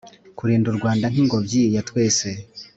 Kurinda u rwanda nk ingombyi ya twese